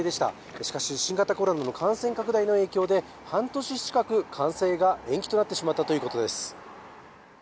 しかし、新型コロナの感染拡大の影響で半年近く完成が延期となってしまったということです。